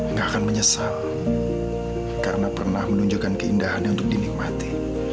nggak akan menyesal karena pernah menunjukkan keindahannya untuk dinikmati